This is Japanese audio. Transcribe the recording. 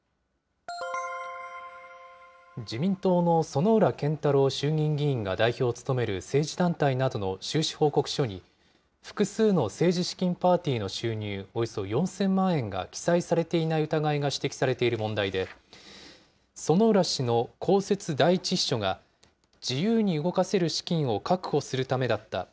自民党の薗浦健太郎衆議院議員が代表を務める政治団体などの収支報告書に、複数の政治資金パーティーの収入およそ４０００万円が記載されていない疑いが指摘されている問題で、薗浦氏の公設第１秘書が、自由に動かせる資金を確保するためだった。